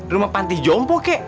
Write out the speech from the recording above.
rumah panti jompo ki